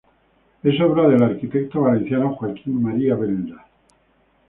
Es obra del arquitecto valenciano Joaquín María Belda.